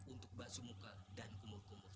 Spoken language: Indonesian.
untuk bakso muka dan kumur kumur